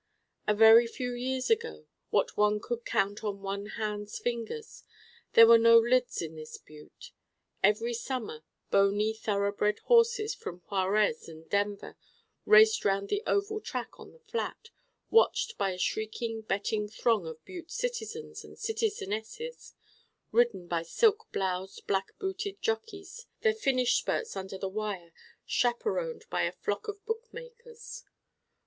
A very few years ago what one could count on one hand's fingers there were no lids in this Butte. Every summer bony thoroughbred horses from Juarez and Denver raced round the oval track on the Flat, watched by a shrieking betting throng of Butte citizens and citizenesses, ridden by silk bloused black booted jockies, their finish spurts under the wire chaperoned by a flock of bookmakers.